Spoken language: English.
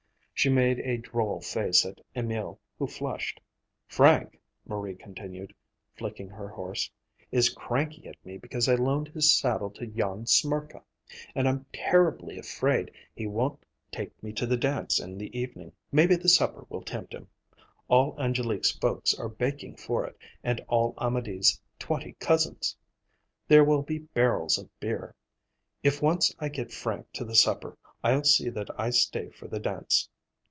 She made a droll face at Emil, who flushed. "Frank," Marie continued, flicking her horse, "is cranky at me because I loaned his saddle to Jan Smirka, and I'm terribly afraid he won't take me to the dance in the evening. Maybe the supper will tempt him. All Angélique's folks are baking for it, and all Amédée's twenty cousins. There will be barrels of beer. If once I get Frank to the supper, I'll see that I stay for the dance.